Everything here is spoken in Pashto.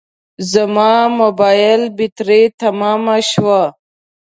زما موبایل بټري تمامه شوه